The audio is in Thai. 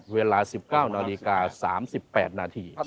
เวลา๑๙น๓๘น